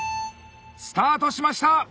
スタートしました。